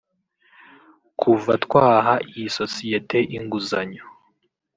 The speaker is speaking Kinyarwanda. Kuva twaha iyi sosiyete inguzanyo